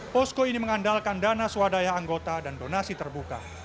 posko ini mengandalkan dana swadaya anggota dan donasi terbuka